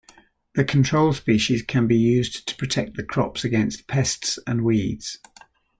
The control species can be used to protect the crops against pests and weeds.